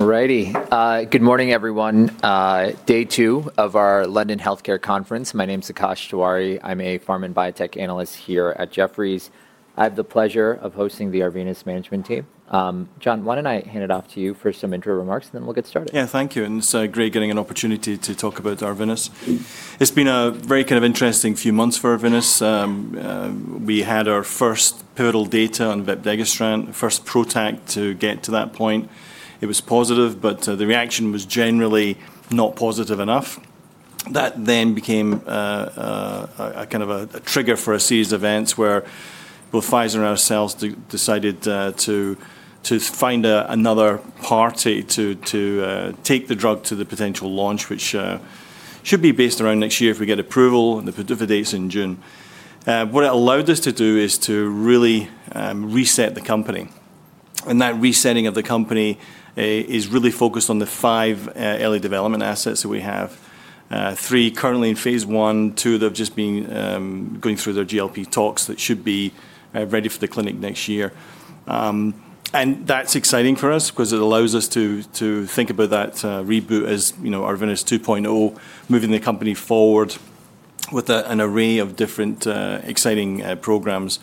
Alrighty, good morning everyone. Day two of our London Healthcare Conference. My name's Akash Tewari. I'm a pharma and biotech analyst here at Jefferies. I have the pleasure of hosting the Arvinas Management Team. John, why don't I hand it off to you for some intro remarks, and then we'll get started. Yeah, thank you. It's great getting an opportunity to talk about Arvinas. It's been a very kind of interesting few months for Arvinas. We had our first pivotal data on vepdegestrant, the first prototype to get to that point. It was positive, but the reaction was generally not positive enough. That then became a kind of a trigger for a series of events where both Pfizer and ourselves decided to find another party to take the drug to the potential launch, which should be based around next year if we get approval, and the date's in June. What it allowed us to do is to really reset the company. That resetting of the company is really focused on the five early development assets that we have. Three currently in phase 1/2 that have just been going through their GLP tox that should be ready for the clinic next year. That is exciting for us because it allows us to think about that reboot as Arvinas 2.0, moving the company forward with an array of different exciting programs.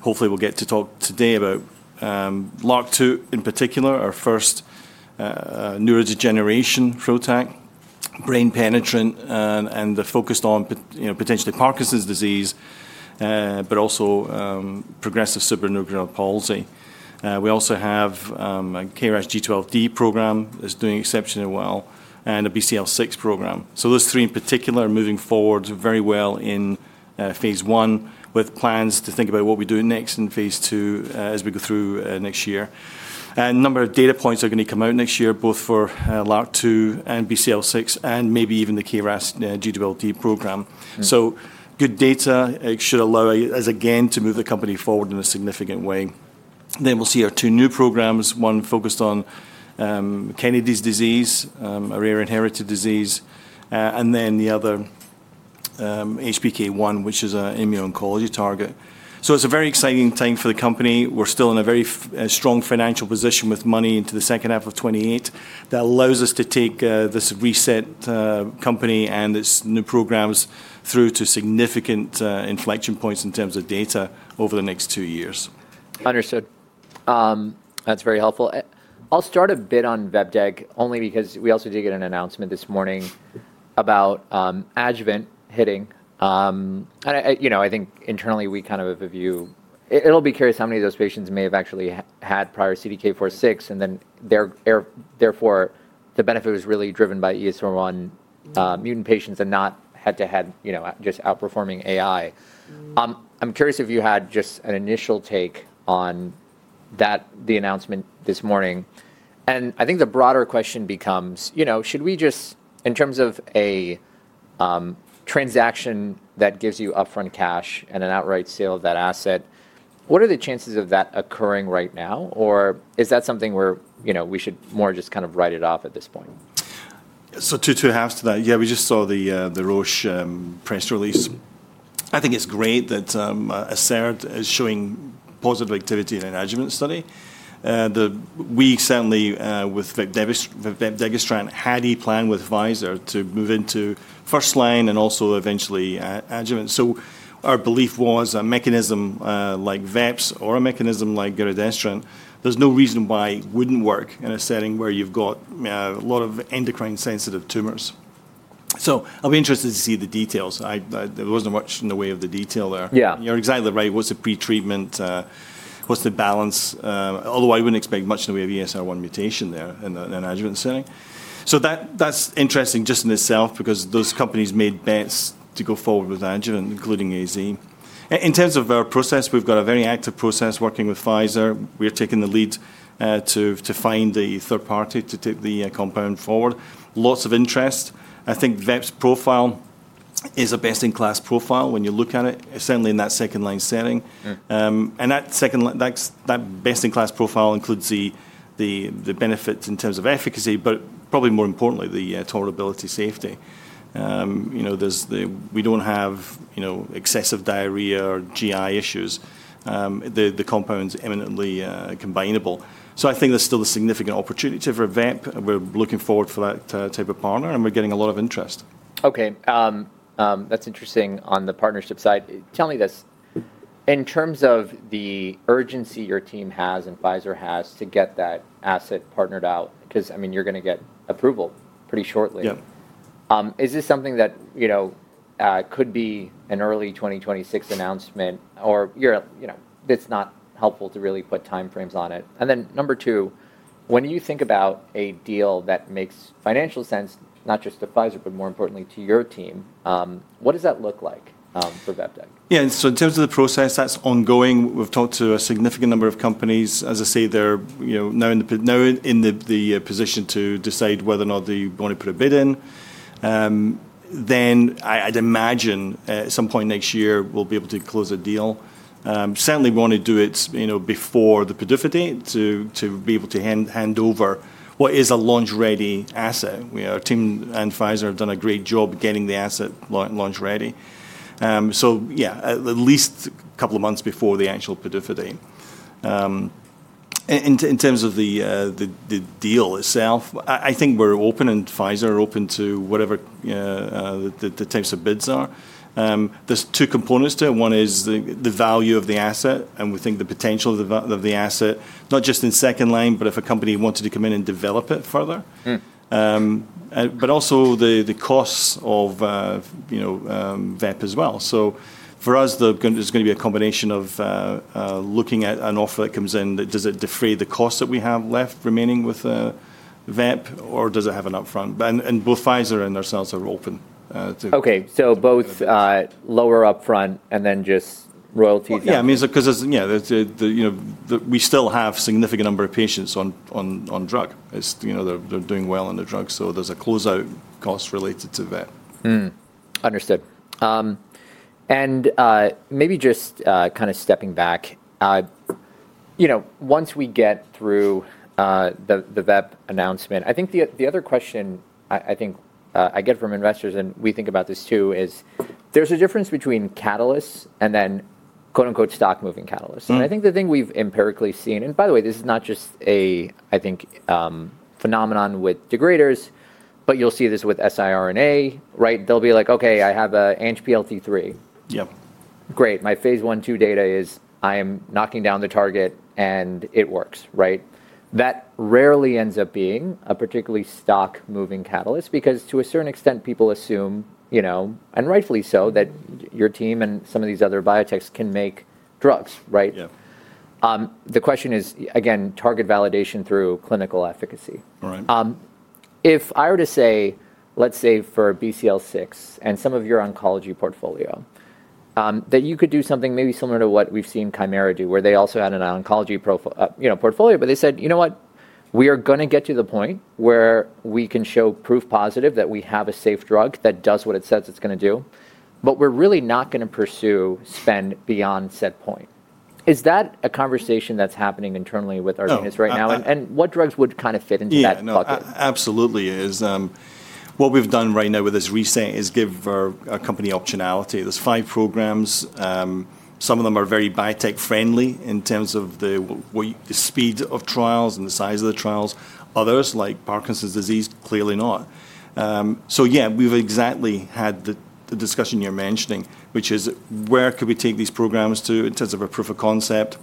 Hopefully, we'll get to talk today about LRRK2 in particular, our first neurodegeneration prototype, brain penetrant, and the focus on potentially Parkinson's disease, but also progressive supranuclear palsy. We also have a KRAS G12D program that is doing exceptionally well, and a BCL6 program. Those three in particular are moving forward very well in phase I, with plans to think about what we do next in phase II as we go through next year. A number of data points are going to come out next year, both for LRRK2 and BCL6, and maybe even the KRAS G12D program. Good data should allow us, again, to move the company forward in a significant way. We will see our two new programs, one focused on Kennedy's disease, a rare inherited disease, and then the other HPK1, which is an immuno-oncology target. It is a very exciting time for the company. We are still in a very strong financial position with money into the second half of 2028. That allows us to take this reset company and its new programs through to significant inflection points in terms of data over the next two years. Understood. That's very helpful. I'll start a bit on vepdeg only because we also did get an announcement this morning about adjuvant hitting. I think internally we kind of have a view, it'll be curious how many of those patients may have actually had prior CDK 4/6, and then therefore the benefit was really driven by ESR1 mutant patients and not head-to-head just outperforming AI. I'm curious if you had just an initial take on the announcement this morning. I think the broader question becomes, should we just, in terms of a transaction that gives you upfront cash and an outright sale of that asset, what are the chances of that occurring right now? Is that something where we should more just kind of write it off at this point? Two halves to that, yeah, we just saw the Roche press release. I think it's great that AstraZeneca is showing positive activity in an adjuvant study. We certainly, with vepdegestrant, had a plan with Pfizer to move into first line and also eventually adjuvant. Our belief was a mechanism like vep's or a mechanism like giredestrant, there's no reason why it wouldn't work in a setting where you've got a lot of endocrine-sensitive tumors. I'll be interested to see the details. There wasn't much in the way of the detail there. Yeah. You're exactly right. What's the pretreatment? What's the balance? Although I wouldn't expect much in the way of ESR1 mutation there in an adjuvant setting. That's interesting just in itself because those companies made bets to go forward with adjuvant, including AZ. In terms of our process, we've got a very active process working with Pfizer. We're taking the lead to find a third party to take the compound forward. Lots of interest. I think vep's profile is a best-in-class profile when you look at it, certainly in that second line setting. That best-in-class profile includes the benefits in terms of efficacy, but probably more importantly, the tolerability safety. We don't have excessive diarrhea or GI issues. The compound's eminently combinable. I think there's still a significant opportunity for vep. We're looking forward for that type of partner, and we're getting a lot of interest. Okay. That's interesting on the partnership side. Tell me this. In terms of the urgency your team has and Pfizer has to get that asset partnered out, because I mean, you're going to get approval pretty shortly. Yeah. Is this something that could be an early 2026 announcement, or it's not helpful to really put timeframes on it? Number two, when you think about a deal that makes financial sense, not just to Pfizer, but more importantly to your team, what does that look like for vepdeg? Yeah, so in terms of the process, that's ongoing. We've talked to a significant number of companies. As I say, they're now in the position to decide whether or not they want to put a bid in. I imagine at some point next year, we'll be able to close a deal. Certainly, we want to do it before the prolificity to be able to hand over what is a launch-ready asset. Our team and Pfizer have done a great job getting the asset launch ready. Yeah, at least a couple of months before the actual prolificity. In terms of the deal itself, I think we're open, and Pfizer are open to whatever the types of bids are. There's two components to it. One is the value of the asset, and we think the potential of the asset, not just in second line, but if a company wanted to come in and develop it further, but also the costs of vep as well. For us, there's going to be a combination of looking at an offer that comes in that does it defray the costs that we have left remaining with vep, or does it have an upfront? Both Pfizer and ourselves are open. Okay, so both lower upfront and then just royalties? Yeah, I mean, because yeah, we still have a significant number of patients on drug. They're doing well on the drug, so there's a closeout cost related to vep. Understood. Maybe just kind of stepping back, once we get through the vep announcement, I think the other question I get from investors, and we think about this too, is there's a difference between catalysts and then "stock moving catalysts." I think the thing we've empirically seen, and by the way, this is not just a phenomenon with degraders, but you'll see this with siRNA, right? They'll be like, "Okay, I have an HPLT3. Yeah. Great. My phase 1/2 data is I am knocking down the target, and it works, right? That rarely ends up being a particularly stock moving catalyst because to a certain extent, people assume, and rightfully so, that your team and some of these other biotech's can make drugs, right? Yeah. The question is, again, target validation through clinical efficacy. Right. If I were to say, let's say for BCL6 and some of your oncology portfolio, that you could do something maybe similar to what we've seen Chimera do, where they also had an oncology portfolio, but they said, "You know what? We are going to get to the point where we can show proof positive that we have a safe drug that does what it says it's going to do, but we're really not going to pursue spend beyond set point." Is that a conversation that's happening internally with Arvinas right now? And what drugs would kind of fit into that bucket? Yeah, no, absolutely is. What we've done right now with this reset is give our company optionality. There's five programs. Some of them are very biotech friendly in terms of the speed of trials and the size of the trials. Others, like Parkinson's disease, clearly not. Yeah, we've exactly had the discussion you're mentioning, which is where could we take these programs to in terms of a proof of concept?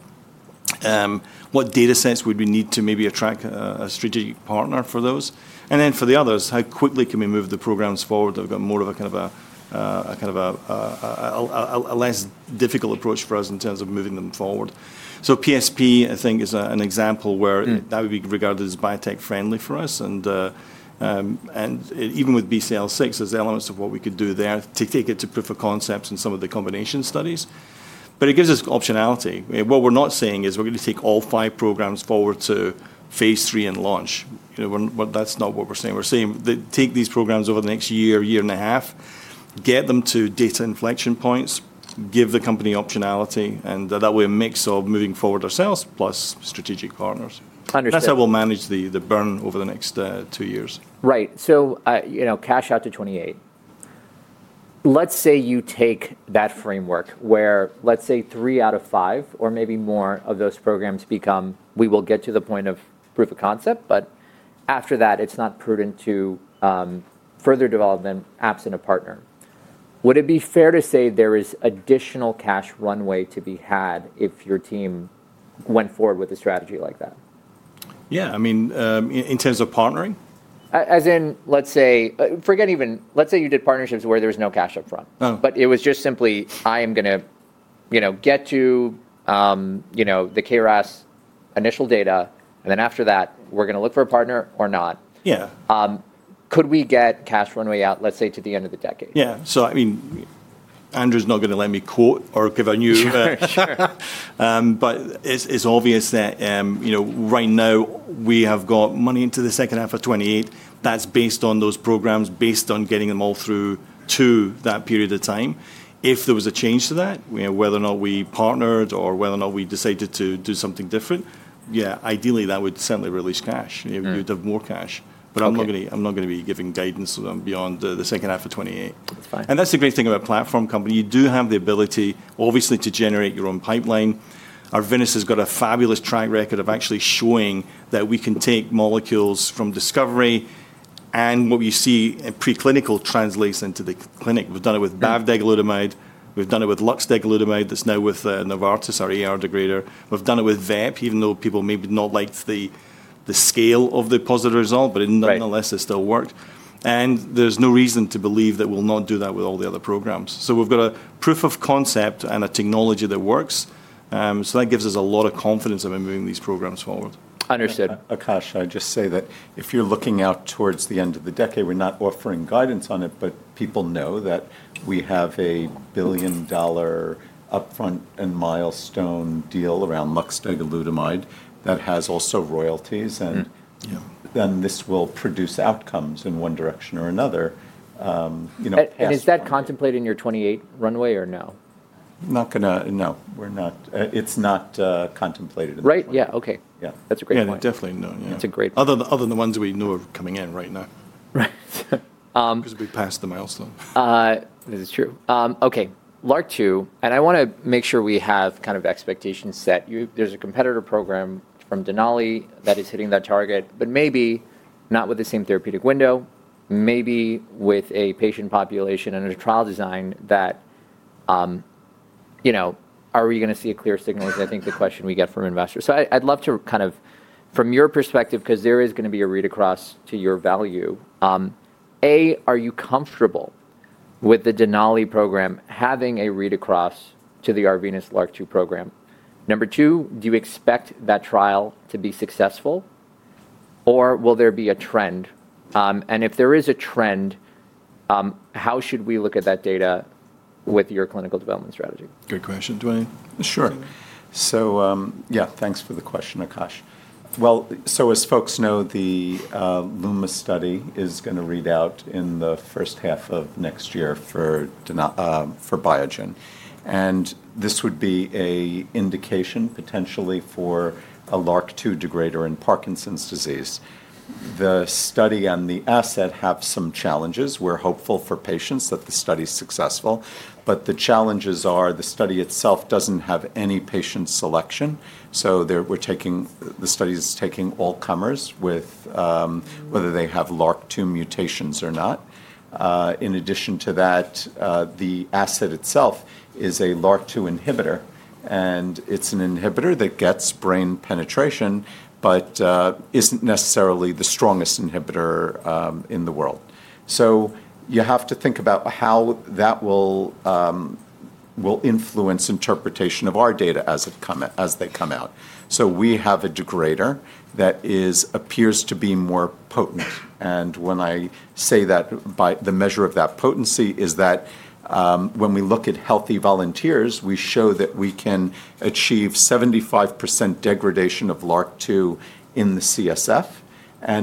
What data sets would we need to maybe attract a strategic partner for those? For the others, how quickly can we move the programs forward? They've got more of a less difficult approach for us in terms of moving them forward. PSP, I think, is an example where that would be regarded as biotech friendly for us. Even with BCL6, there's elements of what we could do there to take it to proof of concepts and some of the combination studies. It gives us optionality. What we're not saying is we're going to take all five programs forward to phase III and launch. That's not what we're saying. We're saying take these programs over the next year, year and a half, get them to data inflection points, give the company optionality, and that way a mix of moving forward ourselves plus strategic partners. Understood. That's how we'll manage the burn over the next two years. Right. Cash out to 2028. Let's say you take that framework where, let's say, three out of five or maybe more of those programs become, we will get to the point of proof of concept, but after that, it's not prudent to further develop them, absent a partner. Would it be fair to say there is additional cash runway to be had if your team went forward with a strategy like that? Yeah, I mean, in terms of partnering? As in, let's say, forget even, let's say you did partnerships where there was no cash upfront, but it was just simply, I am going to get to the KRAS initial data, and then after that, we're going to look for a partner or not. Yeah. Could we get cash runway out, let's say to the end of the decade? Yeah. So I mean, Andrew's not going to let me quote or give a new. Sure, sure. It is obvious that right now we have got money into the second half of 2028. That is based on those programs, based on getting them all through to that period of time. If there was a change to that, whether or not we partnered or whether or not we decided to do something different, yeah, ideally that would certainly release cash. You would have more cash. I am not going to be giving guidance beyond the second half of 2028. That's fine. That's the great thing about a platform company. You do have the ability, obviously, to generate your own pipeline. Arvinas has got a fabulous track record of actually showing that we can take molecules from discovery, and what we see in preclinical translates into the clinic. We've done it with bavdegalutamide. We've done it with luxdeglutamide. That's now with Novartis, our AR degrader. We've done it with vep, even though people maybe not liked the scale of the positive result, but nonetheless, it still worked. There's no reason to believe that we'll not do that with all the other programs. We've got a proof of concept and a technology that works. That gives us a lot of confidence in moving these programs forward. Understood. Akash, I just say that if you're looking out towards the end of the decade, we're not offering guidance on it, but people know that we have a $1 billion upfront and milestone deal around luxdeglutamide that has also royalties, and then this will produce outcomes in one direction or another. Is that contemplated in your 2028 runway or no? Not going to, no, we're not. It's not contemplated. Right? Yeah, okay. Yeah. That's a great point. Yeah, definitely no. It's a great point. Other than the ones we know are coming in right now. Right. Because we passed the milestone. That is true. Okay, LRRK2, and I want to make sure we have kind of expectations set. There's a competitor program from Denali that is hitting that target, but maybe not with the same therapeutic window, maybe with a patient population and a trial design that are we going to see a clear signal? I think the question we get from investors. I'd love to kind of, from your perspective, because there is going to be a read across to your value. A, are you comfortable with the Denali program having a read across to the Arvinas LRRK2 program? Number two, do you expect that trial to be successful, or will there be a trend? And if there is a trend, how should we look at that data with your clinical development strategy? Good question. Do I? Sure. Yeah, thanks for the question, Akash. As folks know, the LUMA study is going to read out in the first half of next year for Biogen. This would be an indication potentially for a LRRK2 degrader in Parkinson's disease. The study and the asset have some challenges. We're hopeful for patients that the study is successful. The challenges are the study itself does not have any patient selection. The study is taking all comers, whether they have LRRK2 mutations or not. In addition to that, the asset itself is a LRRK2 inhibitor, and it is an inhibitor that gets brain penetration, but is not necessarily the strongest inhibitor in the world. You have to think about how that will influence interpretation of our data as they come out. We have a degrader that appears to be more potent. When I say that, the measure of that potency is that when we look at healthy volunteers, we show that we can achieve 75% degradation of LRRK2 in the CSF.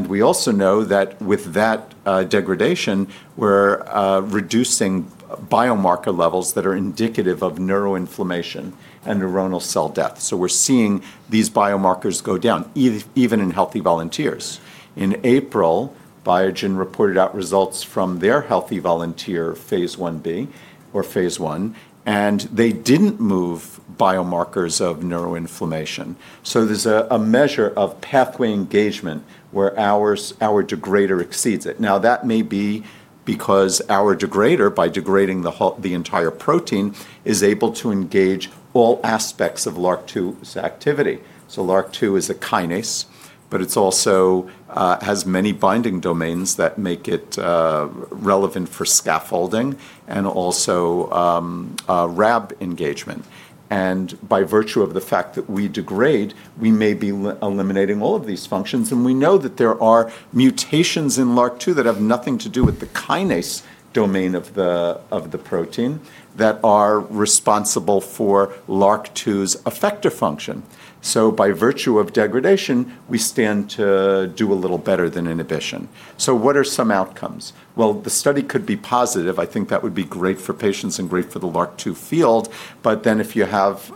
We also know that with that degradation, we're reducing biomarker levels that are indicative of neuroinflammation and neuronal cell death. We're seeing these biomarkers go down, even in healthy volunteers. In April, Biogen reported out results from their healthy volunteer phase 1b or phase I, and they didn't move biomarkers of neuroinflammation. There's a measure of pathway engagement where our degrader exceeds it. That may be because our degrader, by degrading the entire protein, is able to engage all aspects of LRRK2's activity. LRRK2 is a kinase, but it also has many binding domains that make it relevant for scaffolding and also RAB engagement. By virtue of the fact that we degrade, we may be eliminating all of these functions. We know that there are mutations in LRRK2 that have nothing to do with the kinase domain of the protein that are responsible for LRRK2's effector function. By virtue of degradation, we stand to do a little better than inhibition. What are some outcomes? The study could be positive. I think that would be great for patients and great for the LRRK2 field. If you have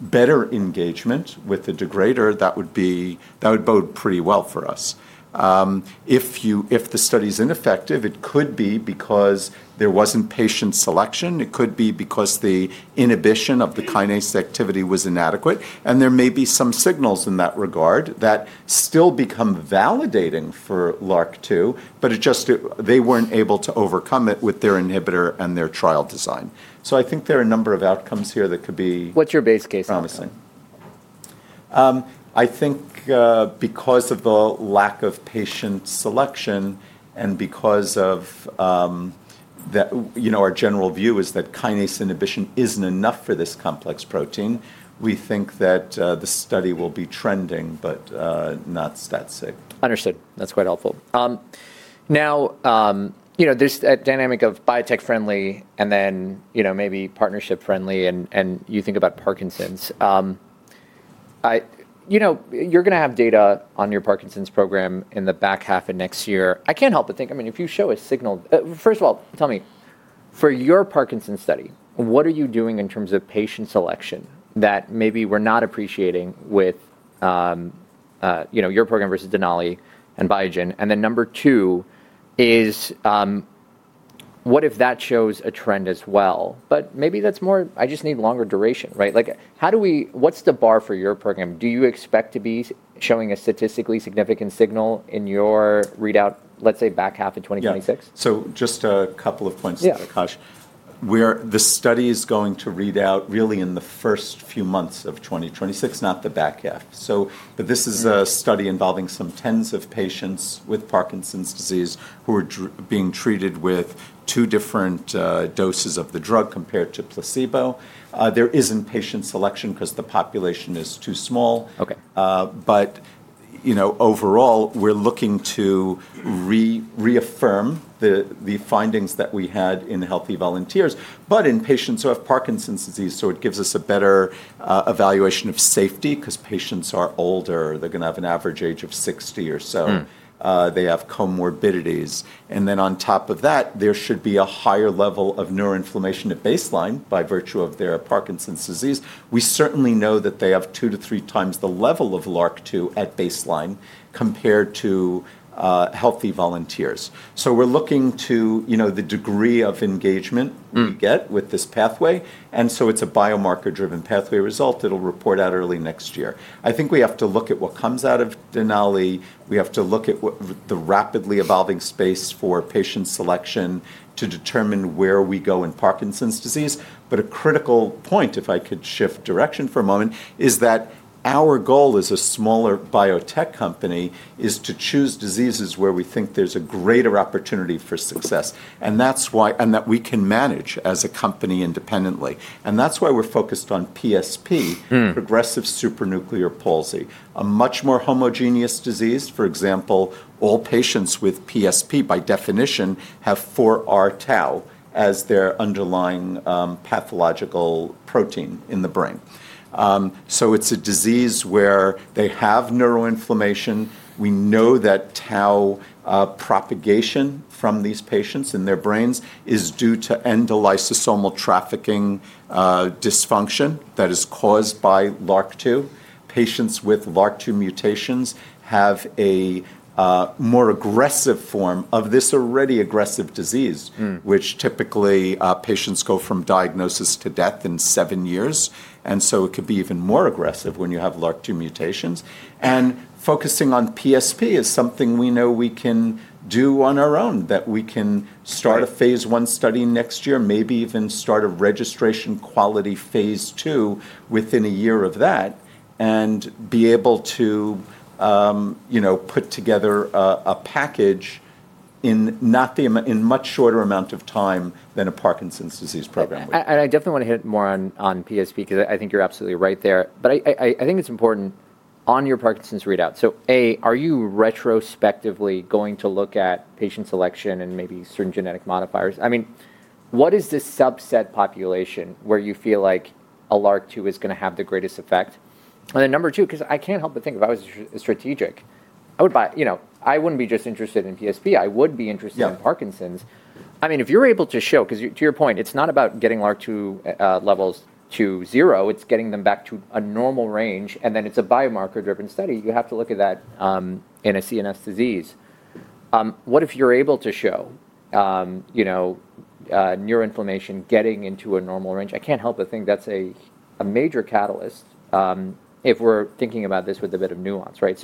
better engagement with the degrader, that would bode pretty well for us. If the study is ineffective, it could be because there was not patient selection. It could be because the inhibition of the kinase activity was inadequate. There may be some signals in that regard that still become validating for LRRK2, but they weren't able to overcome it with their inhibitor and their trial design. I think there are a number of outcomes here that could be. What's your base case? Promising. I think because of the lack of patient selection and because our general view is that kinase inhibition isn't enough for this complex protein, we think that the study will be trending, but not stat-saved. Understood. That's quite helpful. Now, there's that dynamic of biotech friendly and then maybe partnership friendly, and you think about Parkinson's. You're going to have data on your Parkinson's program in the back half of next year. I can't help but think, I mean, if you show a signal, first of all, tell me, for your Parkinson's study, what are you doing in terms of patient selection that maybe we're not appreciating with your program versus Denali and Biogen? Number two is, what if that shows a trend as well? Maybe that's more, I just need longer duration, right? What's the bar for your program? Do you expect to be showing a statistically significant signal in your readout, let's say, back half of 2026? Yeah. So just a couple of points, Akash. The study is going to read out really in the first few months of 2026, not the back half. This is a study involving some tens of patients with Parkinson's disease who are being treated with two different doses of the drug compared to placebo. There is not patient selection because the population is too small. Overall, we are looking to reaffirm the findings that we had in healthy volunteers, but in patients who have Parkinson's disease. It gives us a better evaluation of safety because patients are older. They are going to have an average age of 60 or so. They have comorbidities. On top of that, there should be a higher level of neuroinflammation at baseline by virtue of their Parkinson's disease. We certainly know that they have two to three times the level of LRRK2 at baseline compared to healthy volunteers. We are looking to the degree of engagement we get with this pathway. It is a biomarker-driven pathway result. It will report out early next year. I think we have to look at what comes out of Denali. We have to look at the rapidly evolving space for patient selection to determine where we go in Parkinson's disease. A critical point, if I could shift direction for a moment, is that our goal as a smaller biotech company is to choose diseases where we think there is a greater opportunity for success, and that we can manage as a company independently. That is why we are focused on PSP, progressive supranuclear palsy, a much more homogeneous disease. For example, all patients with PSP by definition have 4R tau as their underlying pathological protein in the brain. It is a disease where they have neuroinflammation. We know that tau propagation from these patients in their brains is due to endolysosomal trafficking dysfunction that is caused by LRRK2. Patients with LRRK2 mutations have a more aggressive form of this already aggressive disease, which typically patients go from diagnosis to death in seven years. It could be even more aggressive when you have LRRK2 mutations. Focusing on PSP is something we know we can do on our own, that we can start a phase I study next year, maybe even start a registration quality phase II within a year of that and be able to put together a package in a much shorter amount of time than a Parkinson's disease program would. I definitely want to hit more on PSP because I think you're absolutely right there. I think it's important on your Parkinson's readout. A, are you retrospectively going to look at patient selection and maybe certain genetic modifiers? I mean, what is the subset population where you feel like a LRRK2 is going to have the greatest effect? Number two, because I can't help but think if I was strategic, I wouldn't be just interested in PSP. I would be interested in Parkinson's. I mean, if you're able to show, because to your point, it's not about getting LRRK2 levels to zero. It's getting them back to a normal range. It's a biomarker-driven study. You have to look at that in a CNS disease. What if you're able to show neuroinflammation getting into a normal range? I can't help but think that's a major catalyst if we're thinking about this with a bit of nuance, right?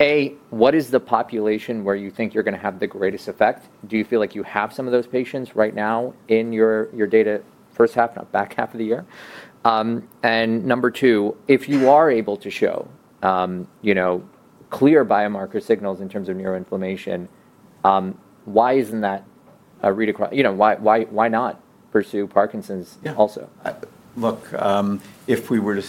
A, what is the population where you think you're going to have the greatest effect? Do you feel like you have some of those patients right now in your data first half, not back half of the year? Number two, if you are able to show clear biomarker signals in terms of neuroinflammation, why isn't that a read across? Why not pursue Parkinson's also? Look, if we were to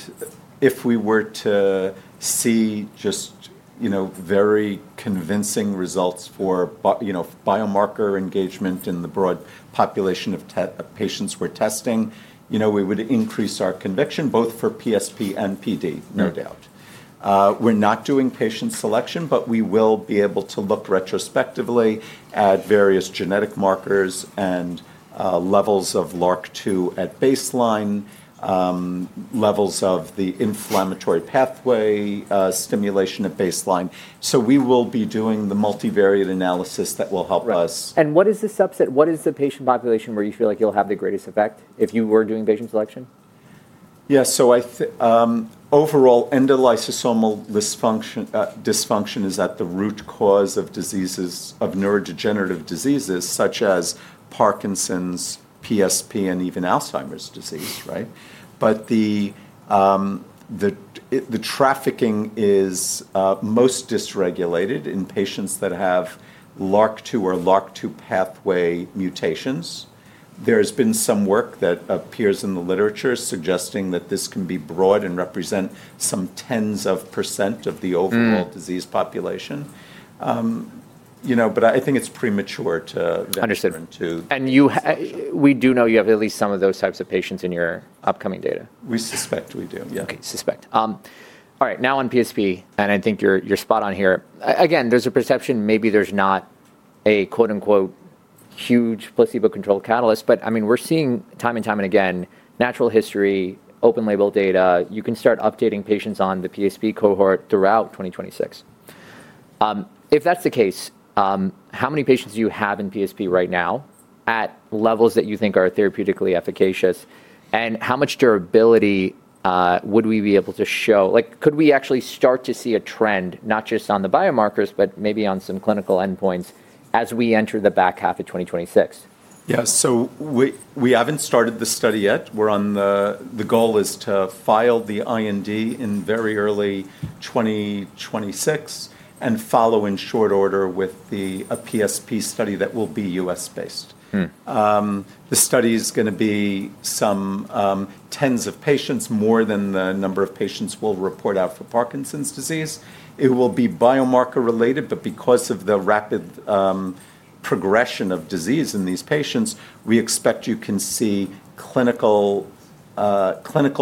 see just very convincing results for biomarker engagement in the broad population of patients we're testing, we would increase our conviction both for PSP and PD, no doubt. We're not doing patient selection, but we will be able to look retrospectively at various genetic markers and levels of LRRK2 at baseline, levels of the inflammatory pathway stimulation at baseline. So we will be doing the multivariate analysis that will help us. What is the subset? What is the patient population where you feel like you'll have the greatest effect if you were doing patient selection? Yeah. So overall, endolysosomal dysfunction is at the root cause of neurodegenerative diseases such as Parkinson's, PSP, and even Alzheimer's disease, right? The trafficking is most dysregulated in patients that have LRRK2 or LRRK2 pathway mutations. There has been some work that appears in the literature suggesting that this can be broad and represent some tens of percent of the overall disease population. I think it's premature to. Understood. We do know you have at least some of those types of patients in your upcoming data? We suspect we do, yeah. Okay. Suspect. All right. Now on PSP, and I think you're spot on here. Again, there's a perception maybe there's not a "huge placebo-controlled catalyst." I mean, we're seeing time and time again, natural history, open label data. You can start updating patients on the PSP cohort throughout 2026. If that's the case, how many patients do you have in PSP right now at levels that you think are therapeutically efficacious? How much durability would we be able to show? Could we actually start to see a trend, not just on the biomarkers, but maybe on some clinical endpoints as we enter the back half of 2026? Yeah. We have not started the study yet. The goal is to file the IND in very early 2026 and follow in short order with a PSP study that will be U.S.-based. The study is going to be some tens of patients, more than the number of patients we will report out for Parkinson's disease. It will be biomarker-related, but because of the rapid progression of disease in these patients, we expect you can see clinical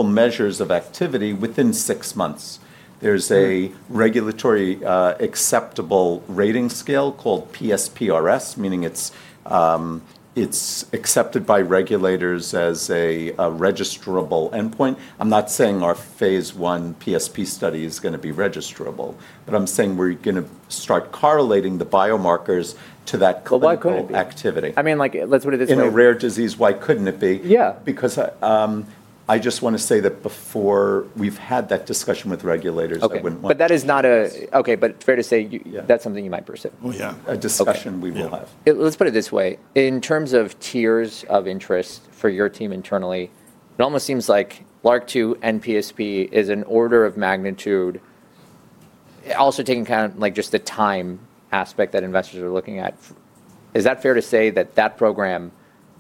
measures of activity within six months. There is a regulatory acceptable rating scale called PSPRS, meaning it is accepted by regulators as a registrable endpoint. I am not saying our phase I PSP study is going to be registrable, but I am saying we are going to start correlating the biomarkers to that clinical activity. I mean, let's put it this way. In a rare disease, why couldn't it be? Yeah, because I just want to say that before we've had that discussion with regulators, it wouldn't. Okay. That is not a, okay. But fair to say that's something you might pursue. Oh, yeah. A discussion we will have. Let's put it this way. In terms of tiers of interest for your team internally, it almost seems like LRRK2 and PSP is an order of magnitude, also taking kind of just the time aspect that investors are looking at. Is that fair to say that that program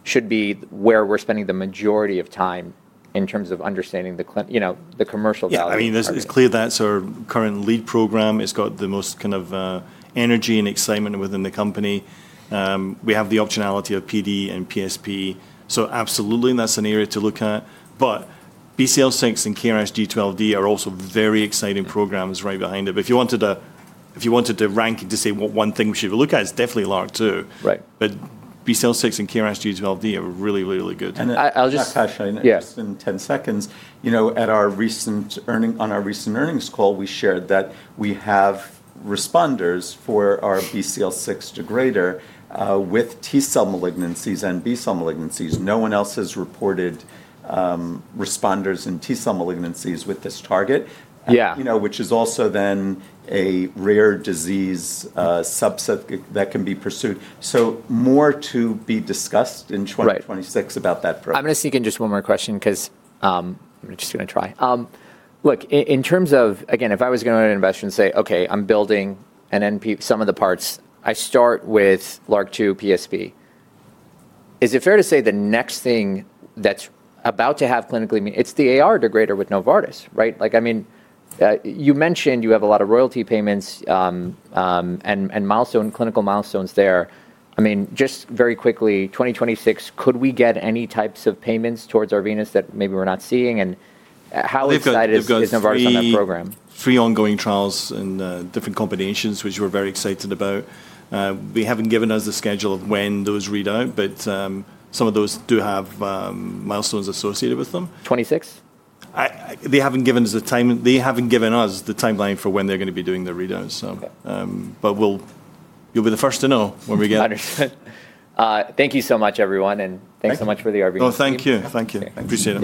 should be where we're spending the majority of time in terms of understanding the commercial value? Yeah. I mean, it's clear that's our current lead program. It's got the most kind of energy and excitement within the company. We have the optionality of PD and PSP. So absolutely, that's an area to look at. BCL6 and KRAS G12D are also very exciting programs right behind it. If you wanted to rank and to say what one thing we should look at, it's definitely LRRK2. BCL6 and KRAS G12D are really, really good. I'll just. I'll touch on this in 10 seconds. At our recent earnings call, we shared that we have responders for our BCL6 degrader with T-cell malignancies and B-cell malignancies. No one else has reported responders in T-cell malignancies with this target, which is also then a rare disease subset that can be pursued. More to be discussed in 2026 about that program. I'm going to sneak in just one more question because I'm just going to try. Look, in terms of, again, if I was going to invest and say, "Okay, I'm building some of the parts, I start with LRRK2, PSP." Is it fair to say the next thing that's about to have clinically mean it's the AR degrader with Novartis, right? I mean, you mentioned you have a lot of royalty payments and clinical milestones there. I mean, just very quickly, 2026, could we get any types of payments towards Arvinas that maybe we're not seeing? And how excited is Novartis on that program? We've got three ongoing trials in different combinations, which we're very excited about. They haven't given us the schedule of when those read out, but some of those do have milestones associated with them. 2026? They haven't given us the timeline for when they're going to be doing the readouts. You'll be the first to know when we get it. Understood. Thank you so much, everyone. Thank you so much for the Arvinas study. Oh, thank you. Thank you. Appreciate it.